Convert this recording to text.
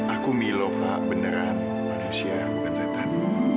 aku milo pak beneran manusia bukan setan